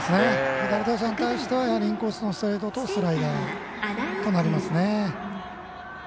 左打者に対してはインコースのストレートとスライダーとなります。